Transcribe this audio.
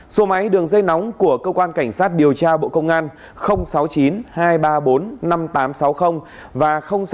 số máy đường dây nóng của cơ quan cảnh sát điều tra bộ công an sáu mươi chín hai trăm ba mươi bốn năm nghìn tám trăm sáu mươi và sáu mươi chín hai trăm ba mươi hai một nghìn sáu trăm bảy